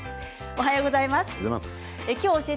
おはようございます。